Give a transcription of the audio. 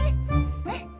udah komplit belum tuh